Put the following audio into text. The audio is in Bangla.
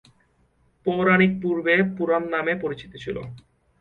পৌরাণিক পূর্বে পুরাণ নামে পরিচিত ছিল।